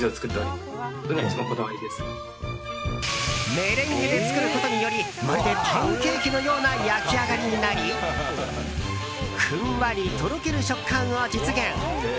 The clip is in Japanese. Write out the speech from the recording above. メレンゲで作ることによりまるでパンケーキのような焼き上がりになりふんわり、とろける食感を実現。